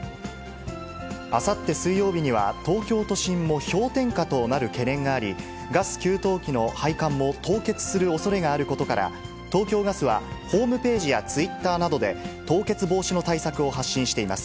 あさって水曜日には、東京都心も氷点下となる懸念があり、ガス給湯器の配管も凍結するおそれがあることから、東京ガスは、ホームページやツイッターなどで、凍結防止の対策を発信しています。